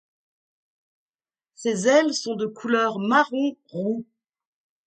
Ses ailes sont de couleur marron roux.